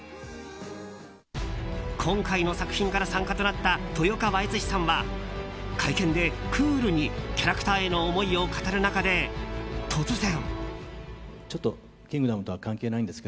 今回の作品から参加となった豊川悦司さんは会見でクールにキャラクターへの思いを語る中で突然。